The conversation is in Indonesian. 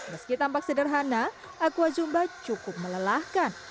meski tampak sederhana aqua zumba cukup melelahkan